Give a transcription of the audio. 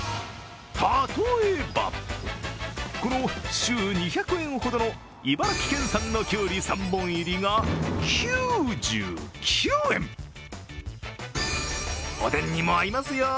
例えば、この週２００円ほどの茨城県産のきゅうり３本入りが９９円おでんにも合いますよ。